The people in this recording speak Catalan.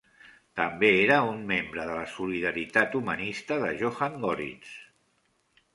També era un membre de la solidaritat humanista de Johann Goritz.